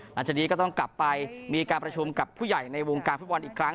หลังจากนี้ก็ต้องกลับไปมีการประชุมกับผู้ใหญ่ในวงการฟุตบอลอีกครั้ง